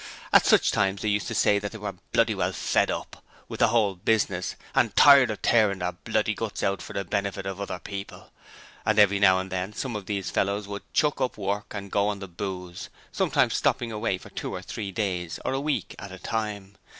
At such times they used to say that they were 'Bloody well fed up' with the whole business and 'Tired of tearing their bloody guts out for the benefit of other people' and every now and then some of these fellows would 'chuck up' work, and go on the booze, sometimes stopping away for two or three days or a week at a time.